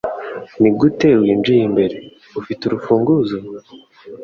Nigute winjiye imbere? Ufite urufunguzo?